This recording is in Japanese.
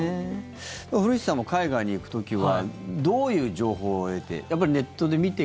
古市さんも海外に行く時はどういう情報を得てやっぱりネットで見て？